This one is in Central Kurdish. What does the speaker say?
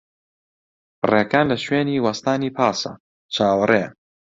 ڕێکان لە شوێنی وەستانی پاسە، چاوەڕێیە.